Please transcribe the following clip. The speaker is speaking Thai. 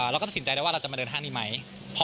เราก็ตัดสินใจได้ว่าเราจะมาเดินห้างนี้ไหม